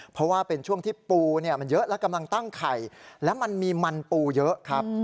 เพราะว่าเป็นช่วงที่ปูมันเยอะและกำลังตั้งไข่แล้วมันมีมันปูเยอะครับ